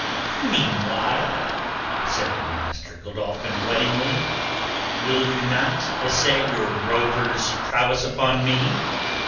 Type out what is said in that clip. "Meanwhile," said Master Godolphin whettingly, "will you not essay your rover's prowess upon me?"